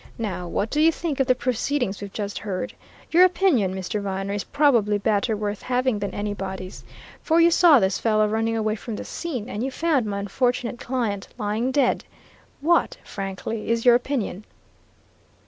Now, what do you think of the proceedings we've just heard? Your opinion, Mr. Viner, is probably better worth having than anybody's, for you saw this fellow running away from the scene, and you found my unfortunate client lying dead. What, frankly, is your opinion?"